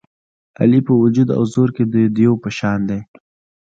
علي په وجود او زور کې د دېو په شان دی.